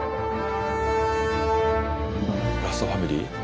ラストファミリー？